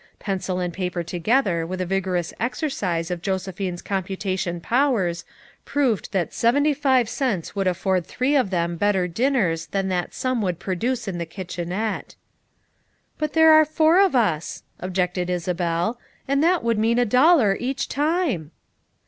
Pencil and paper to gether with a vigorous exercise of Josephine's computation powers proved that seventy five cents would afford three of them better din ners than that sum would produce in the kitchenette. "But there are four of us," objected Isabel, "and that would mean a dollar each time."